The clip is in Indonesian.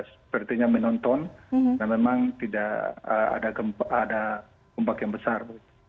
sepertinya menonton dan memang tidak ada ombak yang besar